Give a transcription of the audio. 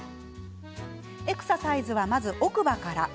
エクササイズは、まず奥歯から。